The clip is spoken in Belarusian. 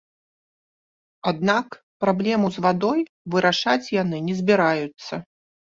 Аднак праблему з вадой вырашаць яны не збіраюцца.